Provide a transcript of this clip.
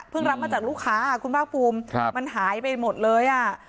เพิ่งรับมาจากลูกค้าอ่ะคุณภาคภูมิครับมันหายไปหมดเลยอ่ะ